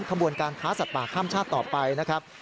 ขบวนการค้าสัตว์ป่าข้ามชาติต่อไปนะครับ